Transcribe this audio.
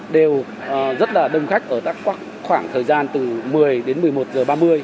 đều rất là đông khách ở các khoảng thời gian từ một mươi đến một mươi một giờ ba mươi